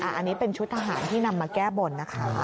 อันนี้เป็นชุดทหารที่นำมาแก้บนนะคะ